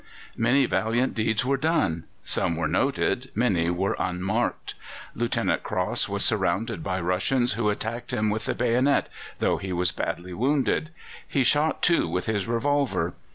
Many valiant deeds were done. Some were noted, many were unmarked. Lieutenant Crosse was surrounded by Russians, who attacked him with the bayonet, though he was badly wounded. He shot two with his revolver.